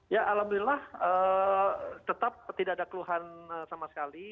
ya alhamdulillah tetap tidak ada keluhan sama sekali